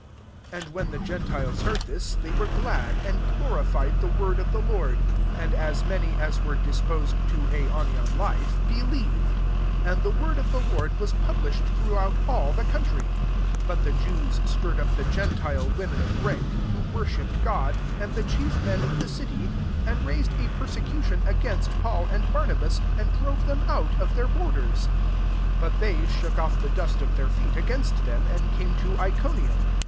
" 48 And when the gen tiles heard this, they were glad, and glorified the word of the Lord: and as many as were disposed to aionian life, believ ither. See Wet anciently joined togetl Midiaelii by Manh,i. 51*.' Mew 224 ACTS xrv. cd.* 49 And the word of the Lord was published throughout all the country. 50 But the Jews stirred up the genfile wo men of rank, who worshipped God, and the chief men of the city, and raised a persecution against Paul and Barnabas, and drove them out of their bor ders* 51 But they shook off the dust of their feet against them, and came to Iconium.